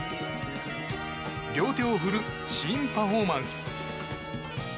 両手を振る新パフォーマンス。